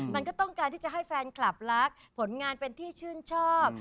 มันก็ต้องการที่จะให้แฟนคลับรักผลงานเป็นที่ชื่นชอบ